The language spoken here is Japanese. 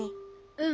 うん。